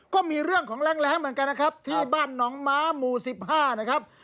ก็มีเรื่องของแรงเหมือนกันนะครับที่บ้านน้องม้าหมู่๑๕นะครับ